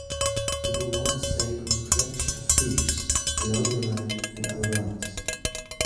The Bouillon estate was a collection of fiefs, allodial land, and other rights.